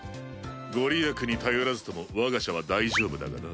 ご利益に頼らずとも我が社は大丈夫だがな。